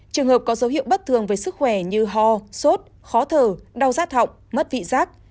trường hợp có dấu hiệu bất thường với sức khỏe như ho sốt khó thở đau giác thọng mất vị giác